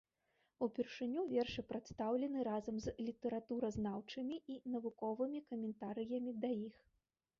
Упершыню вершы прадстаўлены разам з літаратуразнаўчымі і навуковымі каментарыямі да іх.